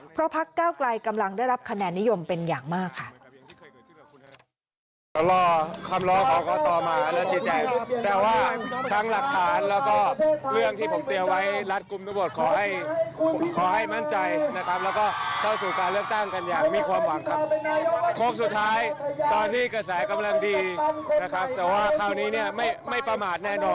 เพราะพักเก้าไกลกำลังได้รับคะแนนนิยมเป็นอย่างมากค่ะ